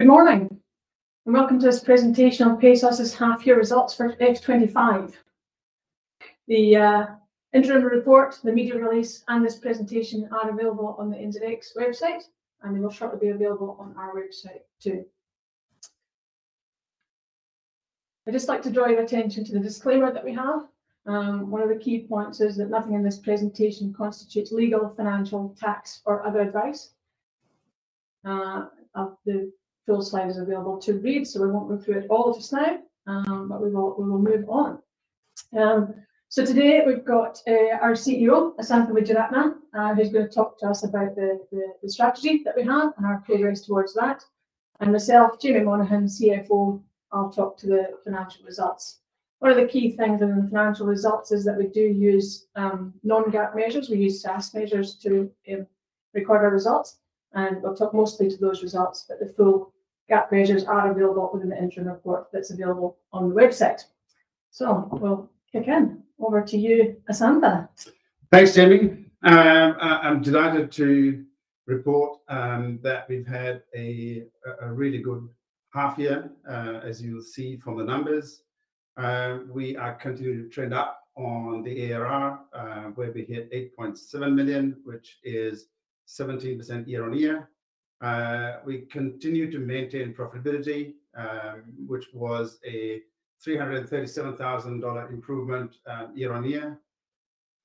Good morning and welcome to this presentation on PaySauce's Half-Year Results for FY 2025. The interim report, the media release, and this presentation are available on the NZX website, and they will shortly be available on our website too. I'd just like to draw your attention to the disclaimer that we have. One of the key points is that nothing in this presentation constitutes legal, financial, tax, or other advice. The full slide is available to read, so we won't go through it all just now, but we will move on. So today we've got our CEO, Asantha Wijeyeratne, who's going to talk to us about the strategy that we have and our progress towards that. And myself, Jaime Monaghan, CFO, I'll talk to the financial results. One of the key things in the financial results is that we do use non-GAAP measures. We use SaaS measures to record our results, and we'll talk mostly to those results, but the full GAAP measures are available within the interim report that's available on the website, so we'll kick off. Over to you, Asantha. Thanks, Jaime. I'm delighted to report that we've had a really good half-year, as you'll see from the numbers. We are continuing to trend up on the ARR, where we hit 8.7 million, which is 17% year on year. We continue to maintain profitability, which was a 337,000 dollar improvement year on year.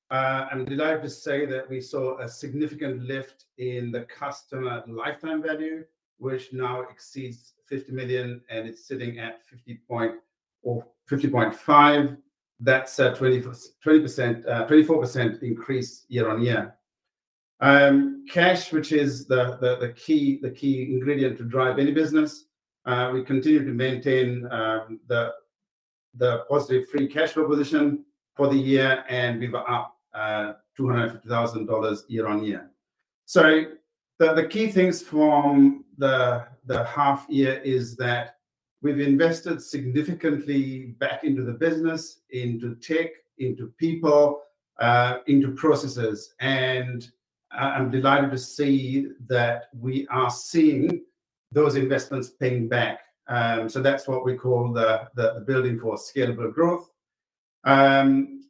I'm delighted to say that we saw a significant lift in the customer lifetime value, which now exceeds 50 million, and it's sitting at 50.5 million. That's a 24% increase year on year. Cash, which is the key ingredient to drive any business, we continue to maintain the positive free cash flow position for the year, and we were up 250,000 dollars year on year. So the key things from the half-year is that we've invested significantly back into the business, into tech, into people, into processes. I'm delighted to see that we are seeing those investments paying back. So that's what we call the building for scalable growth.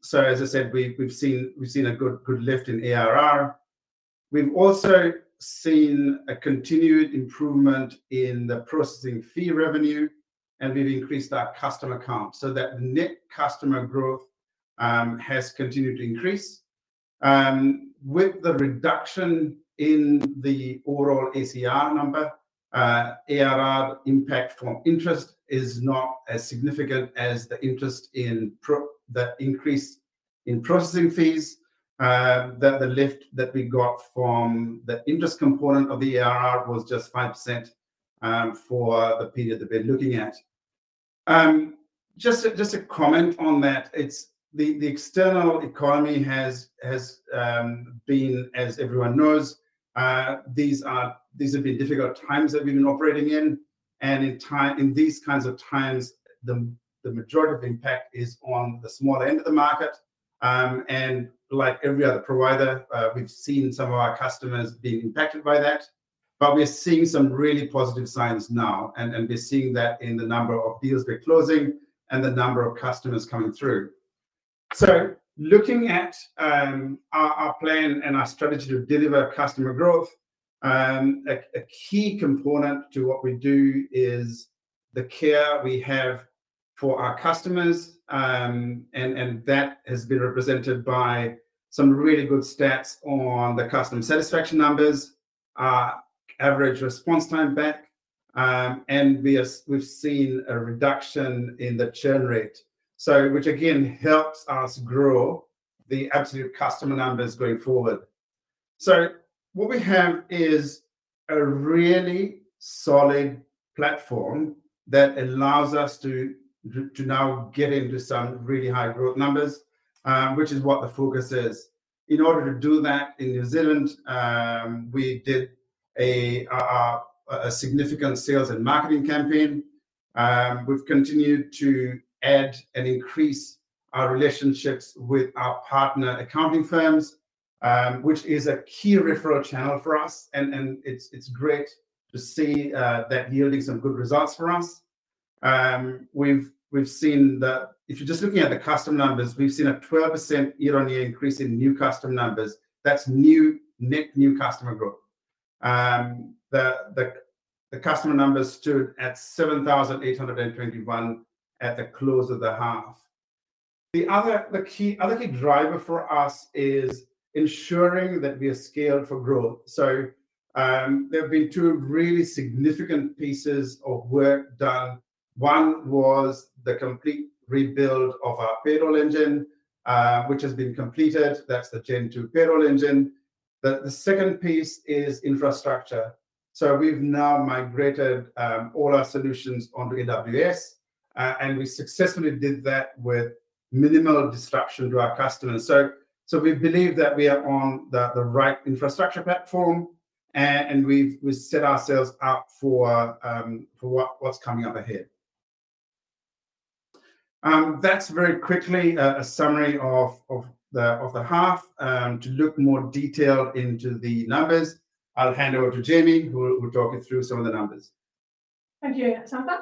So, as I said, we've seen a good lift in ARR. We've also seen a continued improvement in the processing fee revenue, and we've increased our customer count so that the net customer growth has continued to increase. With the reduction in the overall OCR number, ARR impact from interest is not as significant as the increase in processing fees. The lift that we got from the interest component of the ARR was just 5% for the period that we're looking at. Just a comment on that, the external economy has been, as everyone knows, these have been difficult times that we've been operating in. And in these kinds of times, the majority of impact is on the smaller end of the market. And like every other provider, we've seen some of our customers being impacted by that. But we're seeing some really positive signs now, and we're seeing that in the number of deals we're closing and the number of customers coming through. So looking at our plan and our strategy to deliver customer growth, a key component to what we do is the care we have for our customers. And that has been represented by some really good stats on the customer satisfaction numbers, average response time back, and we've seen a reduction in the churn rate, which again helps us grow the absolute customer numbers going forward. So what we have is a really solid platform that allows us to now get into some really high growth numbers, which is what the focus is. In order to do that in New Zealand, we did a significant sales and marketing campaign. We've continued to add and increase our relationships with our partner accounting firms, which is a key referral channel for us, and it's great to see that yielding some good results for us. We've seen that if you're just looking at the customer numbers, we've seen a 12% year-on-year increase in new customer numbers. That's net new customer growth. The customer numbers stood at 7,821 at the close of the half. The other key driver for us is ensuring that we are scaled for growth. So there have been two really significant pieces of work done. One was the complete rebuild of our payroll engine, which has been completed. That's the Gen 2 payroll engine. The second piece is infrastructure. So we've now migrated all our solutions onto AWS, and we successfully did that with minimal disruption to our customers. So we believe that we are on the right infrastructure platform, and we've set ourselves up for what's coming up ahead. That's very quickly a summary of the half. To look more detailed into the numbers, I'll hand over to Jaime, who will talk you through some of the numbers. Thank you, Asantha.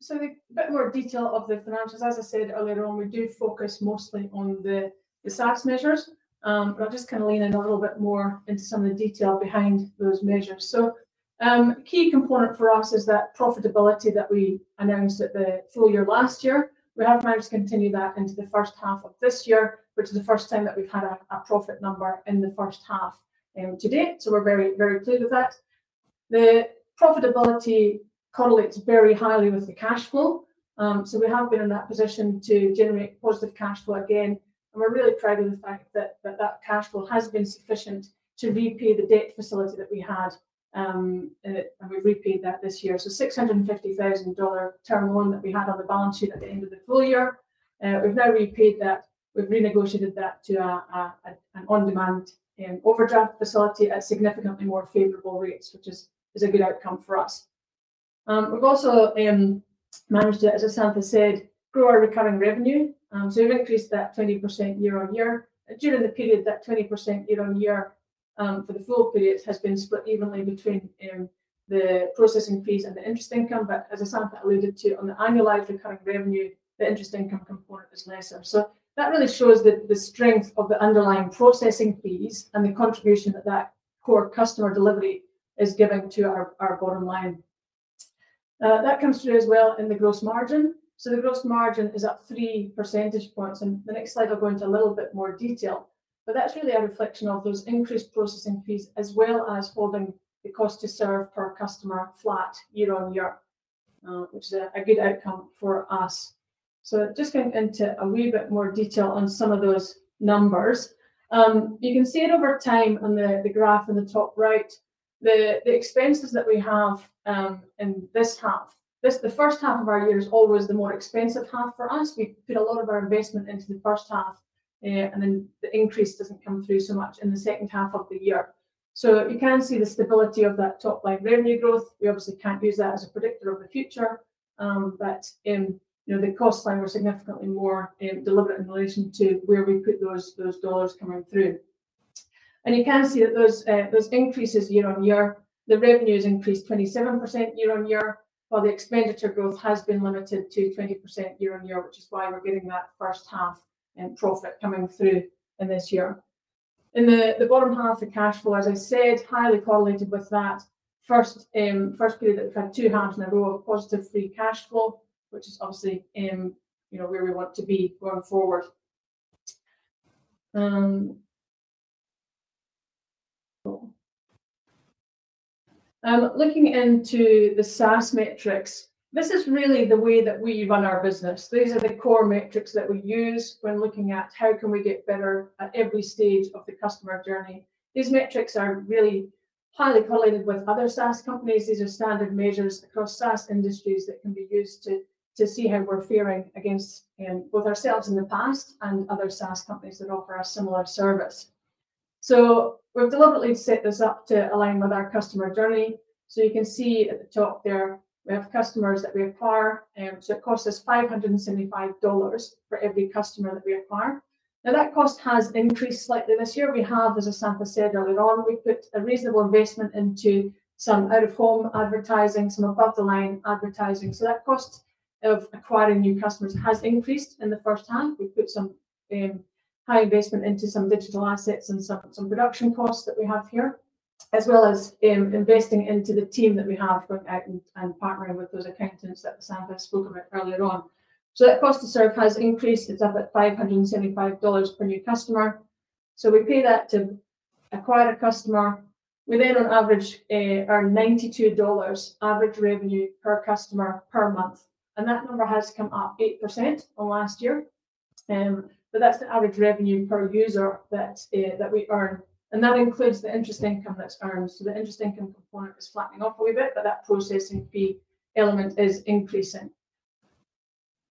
So a bit more detail of the financials. As I said earlier on, we do focus mostly on the SaaS measures, but I'll just kind of lean in a little bit more into some of the detail behind those measures. So a key component for us is that profitability that we announced at the full year last year. We have managed to continue that into the first half of this year, which is the first time that we've had a profit number in the first half to date. So we're very, very pleased with that. The profitability correlates very highly with the cash flow. So we have been in that position to generate positive cash flow again, and we're really proud of the fact that that cash flow has been sufficient to repay the debt facility that we had, and we've repaid that this year. $650,000 term loan that we had on the balance sheet at the end of the full year, we've now repaid that. We've renegotiated that to an on-demand overdraft facility at significantly more favorable rates, which is a good outcome for us. We've also managed, as Asantha said, to grow our recurring revenue. We've increased that 20% year on year. During the period, that 20% year on year for the full period has been split evenly between the processing fees and the interest income. But as Asantha alluded to, on the annualized recurring revenue, the interest income component is lesser. That really shows the strength of the underlying processing fees and the contribution that that core customer delivery is giving to our bottom line. That comes through as well in the gross margin. The gross margin is up three percentage points. And the next slide will go into a little bit more detail, but that's really a reflection of those increased processing fees as well as holding the cost to serve per customer flat year on year, which is a good outcome for us. So just going into a wee bit more detail on some of those numbers, you can see it over time on the graph in the top right, the expenses that we have in this half. The first half of our year is always the more expensive half for us. We put a lot of our investment into the first half, and then the increase doesn't come through so much in the second half of the year. So you can see the stability of that top line revenue growth. We obviously can't use that as a predictor of the future, but the costs are significantly more deliberate in relation to where we put those dollars coming through, and you can see that those increases year on year, the revenue has increased 27% year on year, while the expenditure growth has been limited to 20% year on year, which is why we're getting that first half profit coming through in this year. In the bottom half, the cash flow, as I said, highly correlated with that first period that we've had two halves in a row of positive free cash flow, which is obviously where we want to be going forward. Looking into the SaaS metrics, this is really the way that we run our business. These are the core metrics that we use when looking at how can we get better at every stage of the customer journey. These metrics are really highly correlated with other SaaS companies. These are standard measures across SaaS industries that can be used to see how we're faring against both ourselves in the past and other SaaS companies that offer a similar service. So we've deliberately set this up to align with our customer journey. So you can see at the top there, we have customers that we acquire. So it costs us 575 dollars for every customer that we acquire. Now, that cost has increased slightly this year. We have, as Asantha said earlier on, we put a reasonable investment into some out-of-home advertising, some above-the-line advertising. So that cost of acquiring new customers has increased in the first half. We put some high investment into some digital assets and some production costs that we have here, as well as investing into the team that we have going out and partnering with those accountants that Asantha spoke about earlier on. So that cost to serve has increased. It's up at 575 dollars per new customer. So we pay that to acquire a customer. We then, on average, earn 92 dollars average revenue per customer per month. And that number has come up 8% on last year. But that's the average revenue per user that we earn. And that includes the interest income that's earned. So the interest income component is flattening off a wee bit, but that processing fee element is increasing.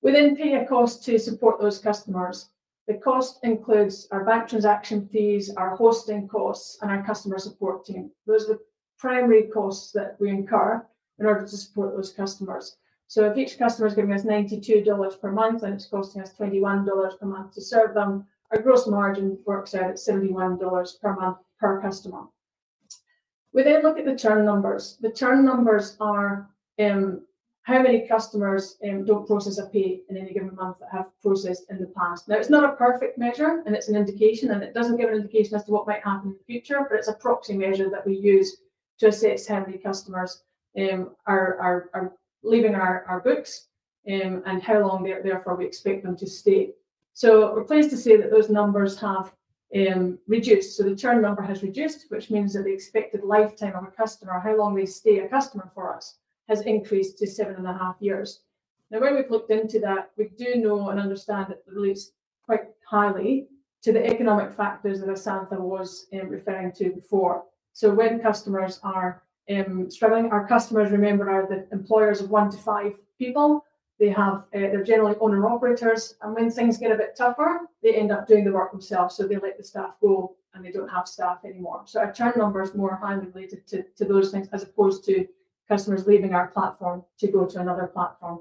We then pay a cost to support those customers. The cost includes our bank transaction fees, our hosting costs, and our customer support team. Those are the primary costs that we incur in order to support those customers. So if each customer is giving us 92 dollars per month and it's costing us 21 dollars per month to serve them, our gross margin works out at 71 dollars per month per customer. We then look at the churn numbers. The churn numbers are how many customers don't process a fee in any given month that have processed in the past. Now, it's not a perfect measure, and it's an indication, and it doesn't give an indication as to what might happen in the future, but it's a proxy measure that we use to assess how many customers are leaving our books and how long therefore we expect them to stay, so we're pleased to say that those numbers have reduced. So the churn number has reduced, which means that the expected lifetime of a customer, how long they stay a customer for us, has increased to seven and a half years. Now, when we've looked into that, we do know and understand that it relates quite highly to the economic factors that Asantha was referring to before. So when customers are struggling, our customers, remember, are the employers of one to five people. They're generally owner-operators. And when things get a bit tougher, they end up doing the work themselves. So they let the staff go, and they don't have staff anymore. So our churn number is more highly related to those things as opposed to customers leaving our platform to go to another platform.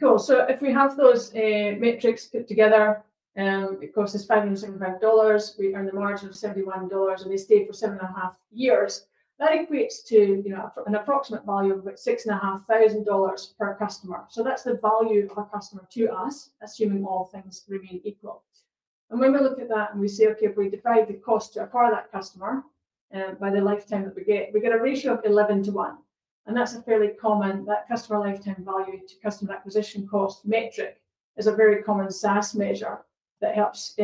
Cool. So if we have those metrics put together, it costs us 575 dollars. We earn the margin of 71 dollars, and they stay for seven and a half years. That equates to an approximate value of about 6,500 dollars per customer. So that's the value of a customer to us, assuming all things remain equal. And when we look at that and we say, okay, if we divide the cost to acquire that customer by the lifetime that we get, we get a ratio of 11 to one. And that's a fairly common customer lifetime value to customer acquisition cost metric is a very common SaaS measure that helps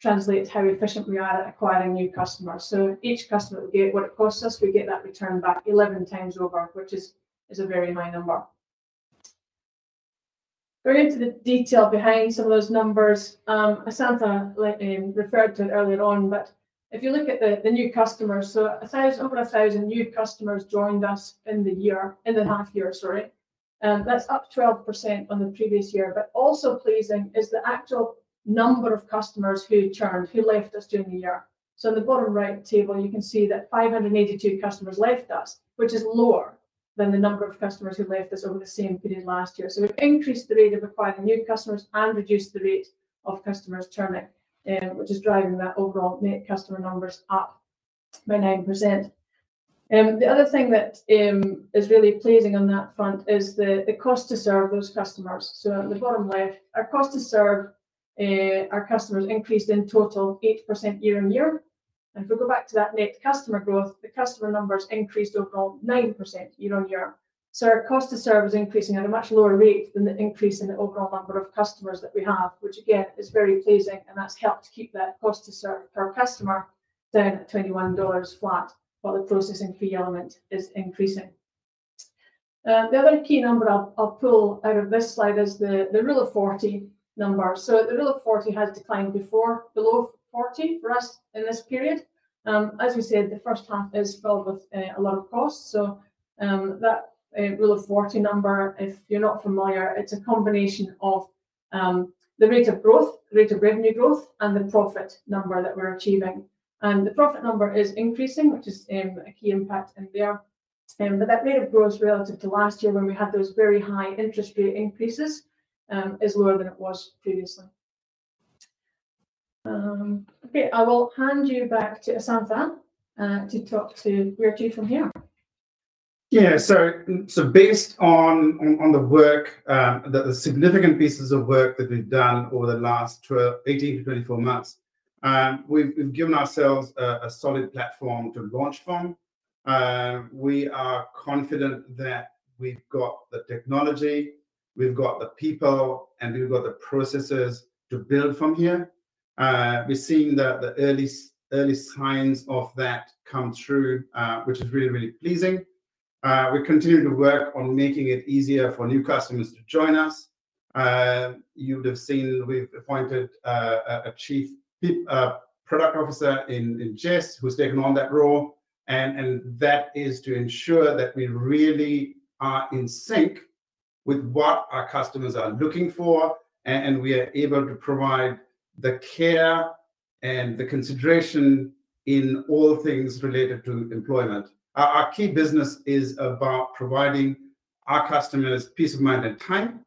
translate how efficient we are at acquiring new customers. So each customer that we get, what it costs us, we get that return back 11 times over, which is a very high number. Going into the detail behind some of those numbers, Asantha referred to it earlier on, but if you look at the new customers, so over 1,000 new customers joined us in the half year, sorry. That's up 12% on the previous year, but also pleasing is the actual number of customers who churned, who left us during the year, so in the bottom right table, you can see that 582 customers left us, which is lower than the number of customers who left us over the same period last year, so we've increased the rate of acquiring new customers and reduced the rate of customers churning, which is driving that overall net customer numbers up by 9%. The other thing that is really pleasing on that front is the cost to serve those customers. On the bottom left, our cost to serve our customers increased in total 8% year on year. And if we go back to that net customer growth, the customer numbers increased overall 9% year on year. So our cost to serve is increasing at a much lower rate than the increase in the overall number of customers that we have, which again is very pleasing, and that's helped keep that cost to serve per customer down at 21 dollars flat, while the processing fee element is increasing. The other key number I'll pull out of this slide is the Rule of 40 number. So the Rule of 40 has declined before, below 40 for us in this period. As we said, the first half is filled with a lot of costs. So that Rule of 40 number, if you're not familiar, it's a combination of the rate of growth, rate of revenue growth, and the profit number that we're achieving. And the profit number is increasing, which is a key impact in there. But that rate of growth relative to last year when we had those very high interest rate increases is lower than it was previously. Okay, I will hand you back to Asantha to talk to where to from here. Yeah, so based on the work, the significant pieces of work that we've done over the last 18-24 months, we've given ourselves a solid platform to launch from. We are confident that we've got the technology, we've got the people, and we've got the processes to build from here. We're seeing the early signs of that come through, which is really, really pleasing. We continue to work on making it easier for new customers to join us. You would have seen we've appointed a Chief Product Officer in Jess who's taken on that role, and that is to ensure that we really are in sync with what our customers are looking for, and we are able to provide the care and the consideration in all things related to employment. Our key business is about providing our customers peace of mind and time.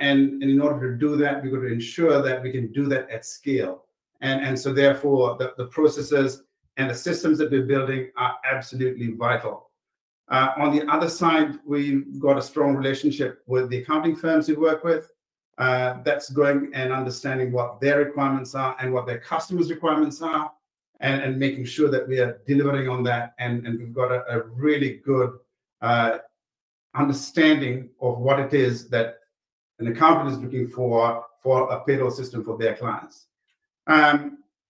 In order to do that, we've got to ensure that we can do that at scale. So therefore, the processes and the systems that we're building are absolutely vital. On the other side, we've got a strong relationship with the accounting firms we work with. That's going and understanding what their requirements are and what their customers' requirements are, and making sure that we are delivering on that. We've got a really good understanding of what it is that an accountant is looking for for a payroll system for their clients.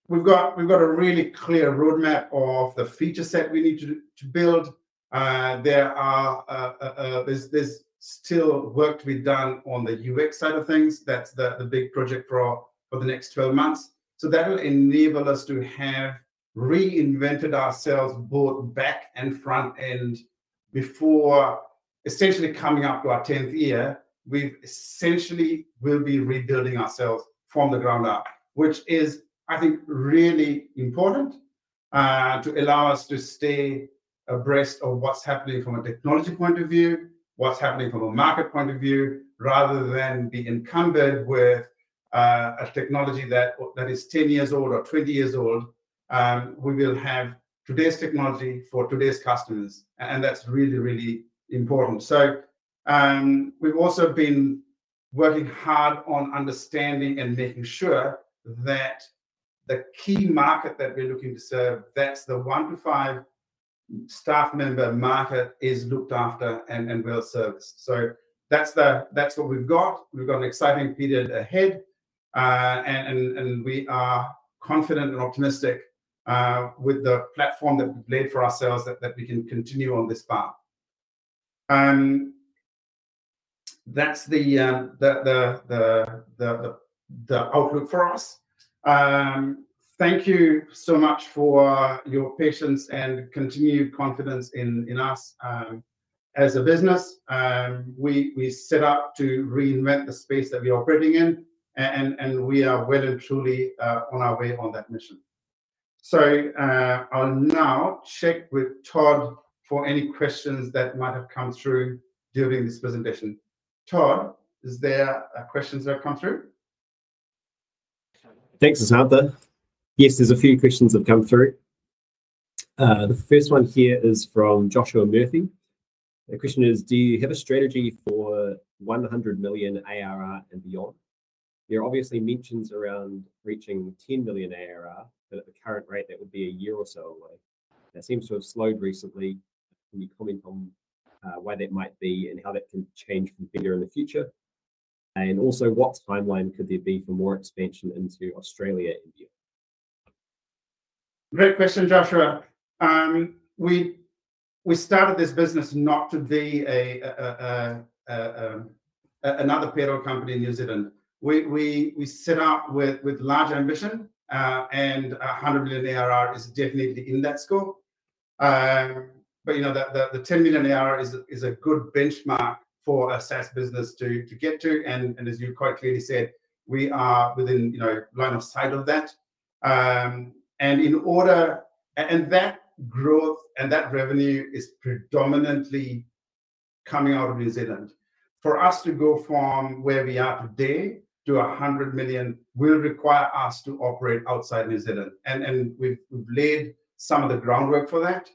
We've got a really clear roadmap of the feature set we need to build. There's still work to be done on the UX side of things. That's the big project for the next 12 months. So that'll enable us to have reinvented ourselves both back-end and front-end before essentially coming up to our 10th year. We essentially will be rebuilding ourselves from the ground up, which is, I think, really important to allow us to stay abreast of what's happening from a technology point of view, what's happening from a market point of view, rather than be encumbered with a technology that is 10 years old or 20 years old. We will have today's technology for today's customers, and that's really, really important, so we've also been working hard on understanding and making sure that the key market that we're looking to serve, that's the one to five staff member market, is looked after and well serviced, so that's what we've got. We've got an exciting period ahead. And we are confident and optimistic with the platform that we've laid for ourselves that we can continue on this path. That's the outlook for us. Thank you so much for your patience and continued confidence in us as a business. We set out to reinvent the space that we are operating in, and we are well and truly on our way on that mission. So I'll now check with Todd for any questions that might have come through during this presentation. Todd, is there questions that have come through? Thanks, Asantha. Yes, there's a few questions that have come through. The first one here is from Joshua Murphy. The question is, do you have a strategy for 100 million ARR and beyond? There are obviously mentions around reaching 10 million ARR, but at the current rate, that would be a year or so away. That seems to have slowed recently. Can you comment on why that might be and how that can change from bigger in the future? And also, what timeline could there be for more expansion into Australia in the year? Great question, Joshua. We started this business not to be another payroll company in New Zealand. We set out with large ambition, and 100 million ARR is definitely in that scope. But the 10 million ARR is a good benchmark for a SaaS business to get to. And as you quite clearly said, we are within line of sight of that. And that growth and that revenue is predominantly coming out of New Zealand. For us to go from where we are today to 100 million will require us to operate outside New Zealand. And we've laid some of the groundwork for that.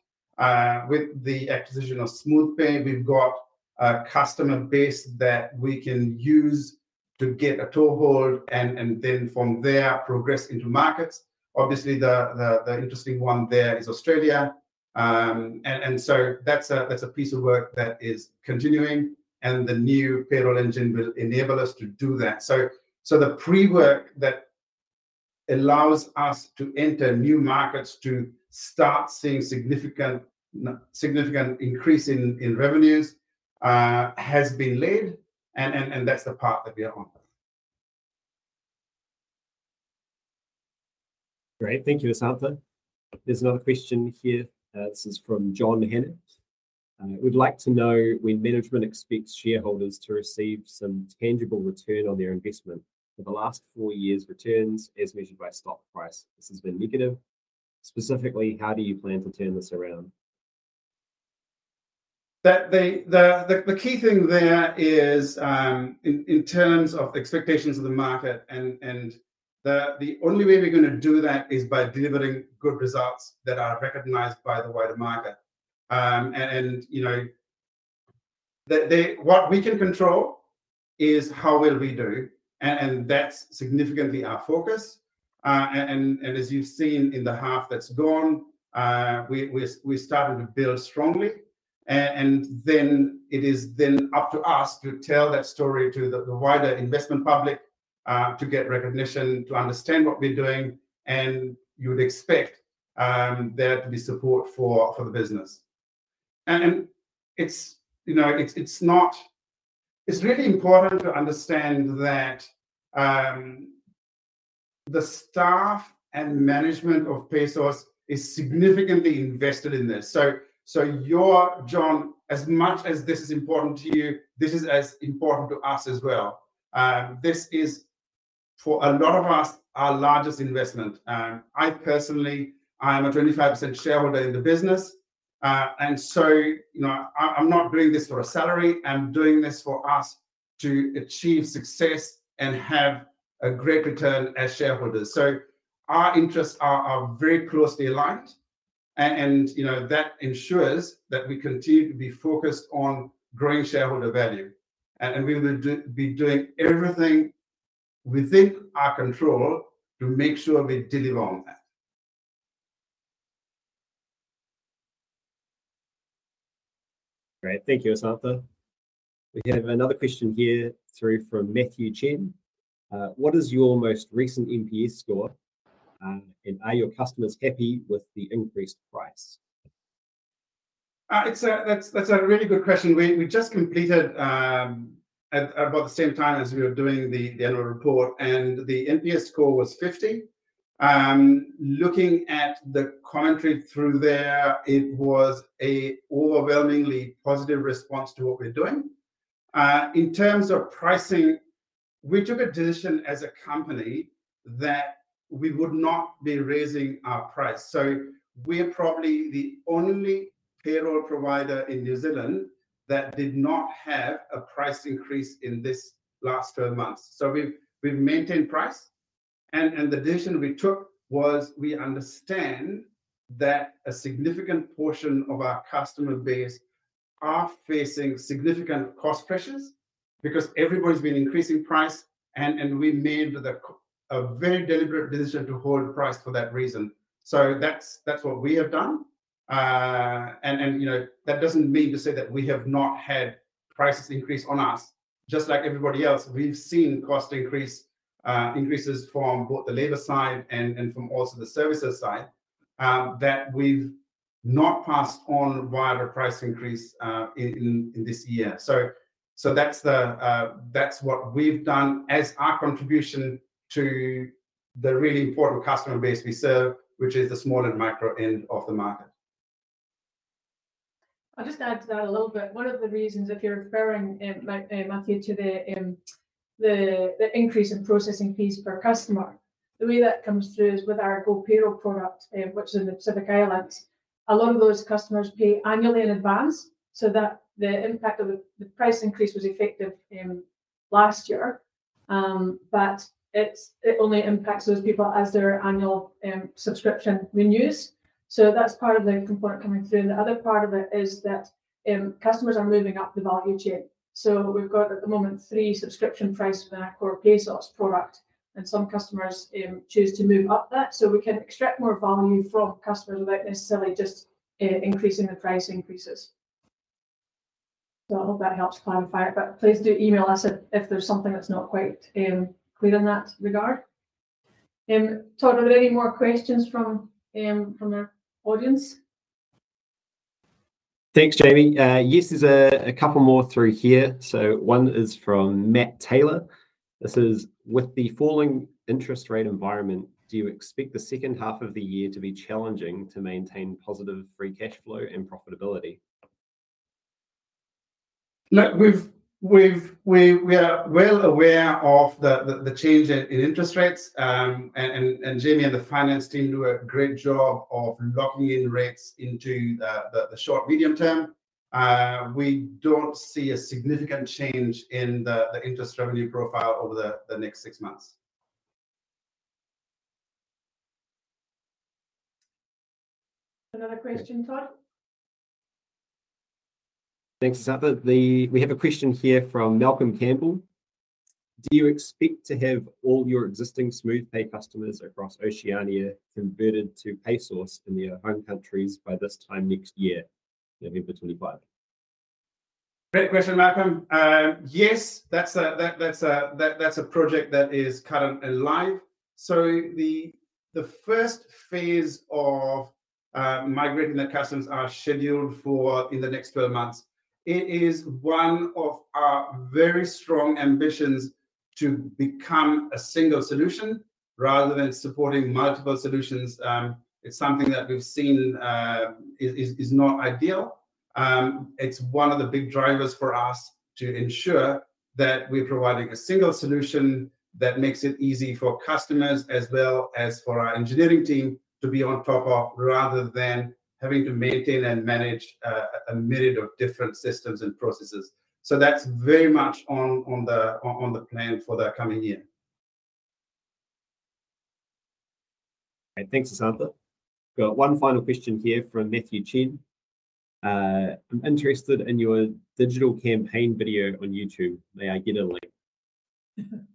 With the acquisition of SmoothPay, we've got a customer base that we can use to get a toehold and then from there progress into markets. Obviously, the interesting one there is Australia. And so that's a piece of work that is continuing, and the new payroll engine will enable us to do that. So the pre-work that allows us to enter new markets to start seeing significant increase in revenues has been laid, and that's the path that we are on. Great. Thank you, Asantha. There's another question here. This is from John Hennet. We'd like to know when management expects shareholders to receive some tangible return on their investment. For the last four years, returns as measured by stock price have been negative. Specifically, how do you plan to turn this around? The key thing there is in terms of the expectations of the market, and the only way we're going to do that is by delivering good results that are recognized by the wider market. And what we can control is how well we do, and that's significantly our focus. And as you've seen in the half that's gone, we started to build strongly. And then it is then up to us to tell that story to the wider investment public, to get recognition, to understand what we're doing, and you would expect there to be support for the business. And it's really important to understand that the staff and management of PaySauce is significantly invested in this. So, John, as much as this is important to you, this is as important to us as well. This is, for a lot of us, our largest investment. I personally, I am a 25% shareholder in the business, and so I'm not doing this for a salary. I'm doing this for us to achieve success and have a great return as shareholders, so our interests are very closely aligned, and that ensures that we continue to be focused on growing shareholder value, and we will be doing everything within our control to make sure we deliver on that. Great. Thank you, Asantha. We have another question here through from Matthew Chen. What is your most recent NPS score? And are your customers happy with the increased price? That's a really good question. We just completed at about the same time as we were doing the annual report, and the NPS score was 50. Looking at the commentary through there, it was an overwhelmingly positive response to what we're doing. In terms of pricing, we took a decision as a company that we would not be raising our price. So we're probably the only payroll provider in New Zealand that did not have a price increase in this last 12 months. So we've maintained price. And the decision we took was we understand that a significant portion of our customer base are facing significant cost pressures because everybody's been increasing price, and we made a very deliberate decision to hold price for that reason. So that's what we have done. And that doesn't mean to say that we have not had prices increase on us. Just like everybody else, we've seen cost increases from both the labor side and from also the services side that we've not passed on via the price increase in this year, so that's what we've done as our contribution to the really important customer base we serve, which is the small and micro end of the market. I'll just add to that a little bit. One of the reasons, if you're referring, Matthew, to the increase in processing fees per customer, the way that comes through is with our GoPayroll product, which is in the Pacific Islands. A lot of those customers pay annually in advance so that the impact of the price increase was effective last year. But it only impacts those people as their annual subscription renews. So that's part of the component coming through. And the other part of it is that customers are moving up the value chain. So we've got at the moment three subscription prices within our core PaySauce product, and some customers choose to move up that so we can extract more value from customers without necessarily just increasing the price increases. I hope that helps clarify it, but please do email us if there's something that's not quite clear in that regard. Todd, are there any more questions from our audience? Thanks, Jaime. Yes, there's a couple more through here. So one is from Matt Taylor. This is, with the falling interest rate environment, do you expect the second half of the year to be challenging to maintain positive Free Cash Flow and profitability? We are well aware of the change in interest rates. And Jaime and the finance team do a great job of locking in rates into the short-medium term. We don't see a significant change in the interest revenue profile over the next six months. Another question, Todd? Thanks, Asantha. We have a question here from Malcolm Campbell. Do you expect to have all your existing SmoothPay customers across Oceania converted to PaySauce in their home countries by this time next year, November 25? Great question, Malcolm. Yes, that's a project that is current and live. So the first phase of migrating the customers are scheduled for in the next 12 months. It is one of our very strong ambitions to become a single solution rather than supporting multiple solutions. It's something that we've seen is not ideal. It's one of the big drivers for us to ensure that we're providing a single solution that makes it easy for customers as well as for our engineering team to be on top of rather than having to maintain and manage a myriad of different systems and processes. So that's very much on the plan for the coming year. Thanks, Asantha. We've got one final question here from Matthew Chen. I'm interested in your digital campaign video on YouTube. May I get a link?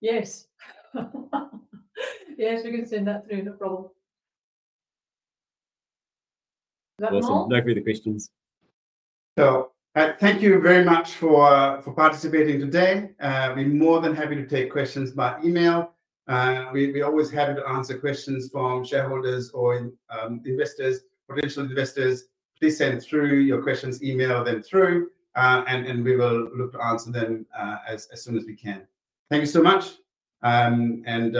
Yes. Yes, we can send that through. No problem. No further questions. So thank you very much for participating today. We're more than happy to take questions by email. We're always happy to answer questions from shareholders or investors, potential investors. Please send through your questions, email them through, and we will look to answer them as soon as we can. Thank you so much.